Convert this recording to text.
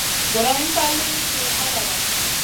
Guroyna ka liw sih hagada.